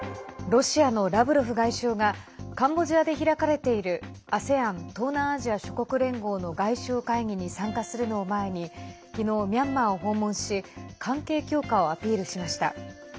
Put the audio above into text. ロシアのラブロフ外相がカンボジアで開かれているＡＳＥＡＮ＝東南アジア諸国連合の外相会議に参加するのを前に昨日、ミャンマーを訪問し関係強化をアピールしました。